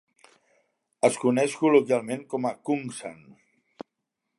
Es coneix col·loquialment com a "Kungsan".